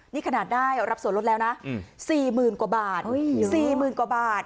นี่ขนาดได้รับส่วนลดแล้วนะ๔๐๐๐๐กว่าบาท